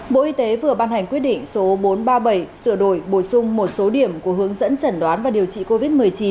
bộ y tế vừa ban hành quyết định số bốn trăm ba mươi bảy sửa đổi bổ sung một số điểm của hướng dẫn chẩn đoán và điều trị covid một mươi chín